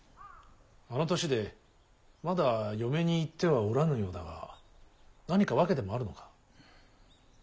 あの年でまだ嫁に行ってはおらぬようだが何か訳でもあるのか。